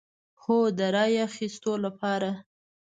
هو، د رای اخیستو لپاره